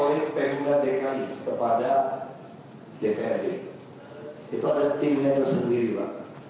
nah inilah yang belum diketok balik di indonesia